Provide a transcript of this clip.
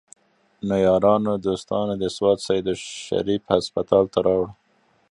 نو يارانو دوستانو د سوات سيدو شريف هسپتال ته راوړو